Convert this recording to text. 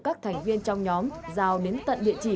các thành viên trong nhóm giao đến tận địa chỉ